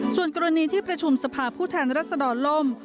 ส่วนกรณีที่ประชุมสภาพผู้แทนรัศดรล่ม